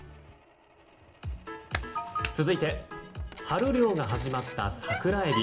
続いて春漁が始まったサクラエビ。